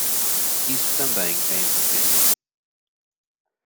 Isso também é impotente